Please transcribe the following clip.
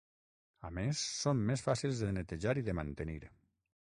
A més són més fàcils de netejar i de mantenir.